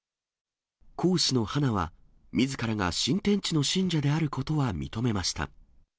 講師の花は、みずからが新天地の信者であることは認めました。